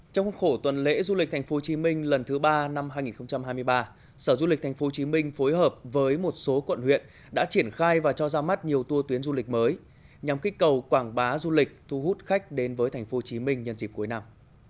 trong khuôn khổ tuần lễ du lịch tp hcm lần thứ ba năm hai nghìn hai mươi ba sở du lịch tp hcm phối hợp với một số quận huyện đã triển khai và cho ra mắt nhiều tour tuyến du lịch mới nhằm kích cầu quảng bá du lịch thu hút khách đến với tp hcm nhân dịp cuối năm